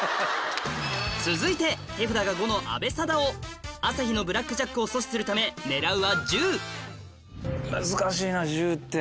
続いて手札が５の阿部サダヲ朝日のブラックジャックを阻止するため狙うは１０難しいな１０って。